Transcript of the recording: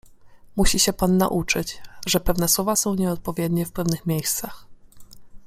Musi się pan nauczyć, że pewne słowa są nieodpowiednie w pewnych miejscach.